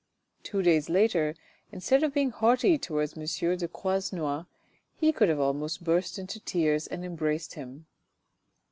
Two days later, instead of being haughty towards M. de Croisenois, he could have almost burst out into tears and embraced him.